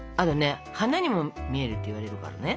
花にも見えるっていわれるからね。